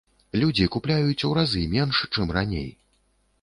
Людзі купляюць у разы менш, чым раней!